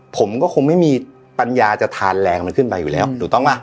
ผมก็คงไม่มีปัญญาจะทานแรงมันขึ้นไปอยู่แล้วถูกต้องป่ะ